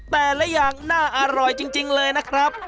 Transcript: แต่ละอย่างน่าอร่อยจริงเลยนะครับ